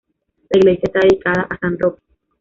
La iglesia está dedicada a San Roque.